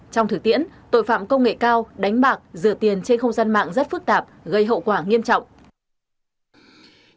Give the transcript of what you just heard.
trong thực tiễn tội phạm công nghệ cao đánh bạc rửa tiền trên không gian mạng rất phức tạp gây hậu quả nghiêm trọng